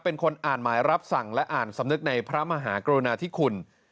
เป็นคนอ่านหมายรับสั่งและอ่านสำนึกในพระมหากรุณาธิคุณ